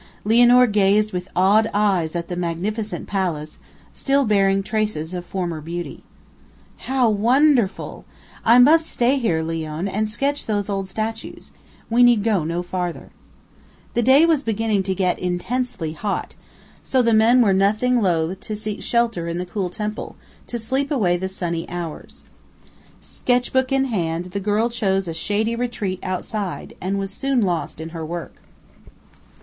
Lianor gazed with awed eyes at the magnificent palace, still bearing traces of former beauty. "How wonderful! I must stay here, Leone, and sketch those old statues. We need go no farther." The day was beginning to get intensely hot, so the men were nothing loth to seek shelter in the cool temple, to sleep away the sunny hours. Sketch book in hand, the girl chose a shady retreat outside, and was soon lost in her work.